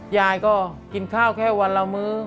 ยายก็กินข้าวแค่วันละมื้อ